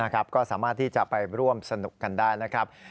ก็สามารถที่จะไปร่วมสนุกกันได้นะครับ